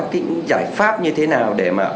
cái giải pháp như thế nào để mà